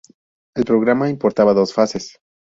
El programa importaba dos fases.